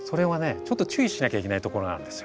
ちょっと注意しなきゃいけないところがあるんですよ。